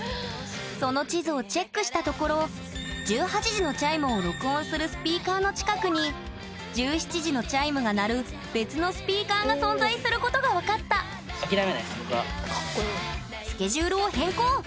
その地図をチェックしたところ１８時のチャイムを録音するスピーカーの近くに１７時のチャイムが鳴る別のスピーカーが存在することが分かったスケジュールを変更！